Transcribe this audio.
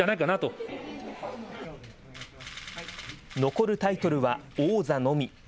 残るタイトルは王座のみ。